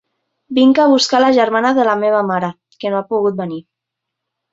Vinc a buscar la germana de la meva mare, que no ha pogut venir.